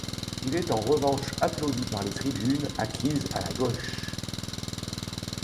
Il est en revanche applaudi par les tribunes, acquises à la gauche.